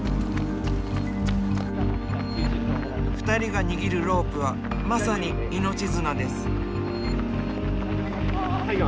２人が握るロープはまさに命綱です。